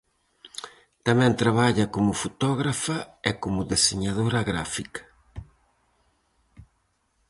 Tamén traballa como fotógrafa e como deseñadora gráfica.